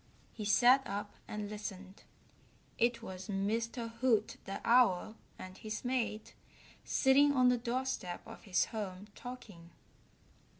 He sat up and listened. It was Mr. Hoot the Owl and his mate sitting on the doorstep of his home talking.